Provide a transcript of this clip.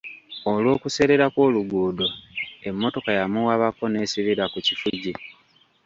Olw'okuseerera kw'oluguudo, emmotoka yamuwabako n'esibira ku kifugi.